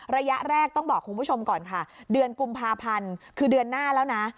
ระยะแรกต้องบอกคุณผู้ชมก่อนค่ะเดือนกุมภาพันธ์คือเดือนหน้าแล้วนะ